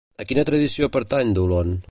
A quina tradició pertany Dolon?